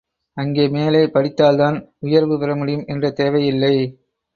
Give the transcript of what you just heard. அங்கே மேலே படித்தால்தான் உயர்வு பெற முடியும் என்ற தேவை இல்லை.